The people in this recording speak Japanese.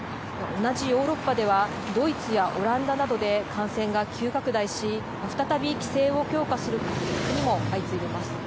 同じヨーロッパでは、ドイツやオランダなどで感染が急拡大し、再び規制を強化する国も相次いでいます。